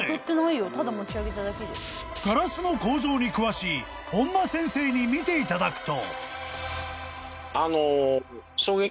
［ガラスの構造に詳しい本間先生に見ていただくと］